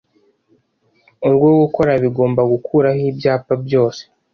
urwo gukora bigomba gukuraho ibyapa byose